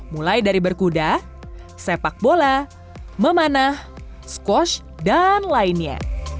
mulai dari berkuda sepak bola memanah squash dan lainnya